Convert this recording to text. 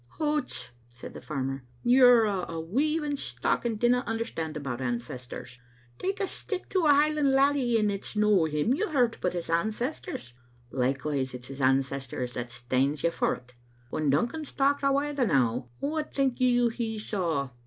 "Hoots," said the farmer, "you're o' a weaving stock, and dinna understand about ancestors. Take a stick to a Highland laddie, and it's no him you hurt, but his ancestors. Likewise it's his ancestors that stanes you for it. When Duncan stalked awa the now, what think you he saw?